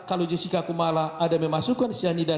kalau jessica kumala ada memasukkan cyanida